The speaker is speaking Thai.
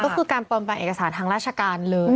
ก็คือการปลอมแปลงเอกสารทางราชการเลย